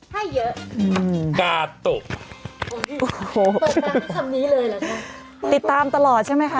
ให้เยอะอืมกาโตะโอ้โหคำนี้เลยเหรอคะติดตามตลอดใช่ไหมคะ